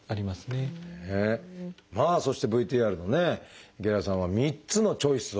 まあそしてＶＴＲの池田さんは３つのチョイスを。